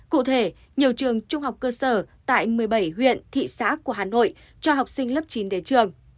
cụ thể nhiều trường trung học cơ sở tại một mươi bảy huyện thị xã của hà nội cho học sinh lớp chín đến trường